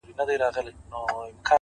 هوډ د وېرې سیوري لنډوي,